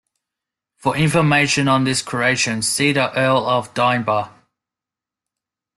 For information on this creation, see the Earl of Denbigh.